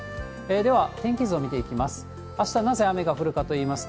では、天気図を見ていきます。